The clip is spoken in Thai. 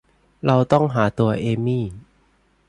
เราต้องหาตัวเอมี่